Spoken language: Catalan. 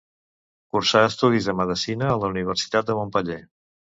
Cursà estudis de medicina a la Universitat de Montpellier.